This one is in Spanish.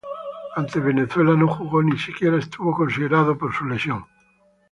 Ante Venezuela no jugó, ni siquiera estuvo considerado, por su lesión.